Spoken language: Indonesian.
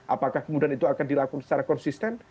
apakah kemudian itu akan dilakukan secara konsisten